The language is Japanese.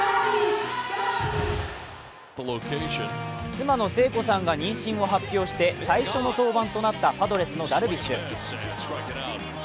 妻の聖子さんが妊娠を発表して最初の登板となったパドレスのダルビッシュ。